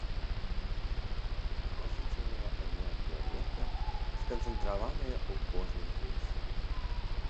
Насычаная энергія лета сканцэнтраваная ў кожнай песні.